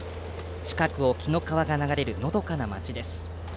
近くを紀ノ川が流れるのどかな街です。